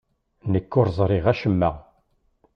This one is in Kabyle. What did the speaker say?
Nekk ur ẓriɣ acemma.